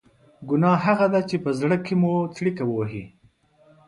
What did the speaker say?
ګناه هغه ده چې په زړه کې مو څړیکه ووهي.